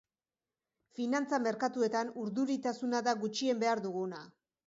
Finantza merkatuetan urduritasuna da gutxien behar duguna.